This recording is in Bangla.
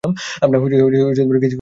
আমরা কিস করতে শুরু করলাম।